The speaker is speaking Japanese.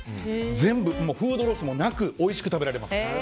全部フードロスもなくおいしくいただけます。